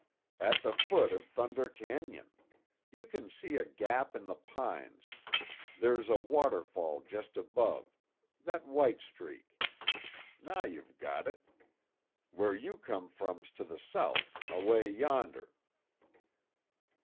"At the foot of Thunder Cañon. You can see a gap in the pines. There's a waterfall just above that white streak. Now you've got it. Where you come from 's to the south, away yonder."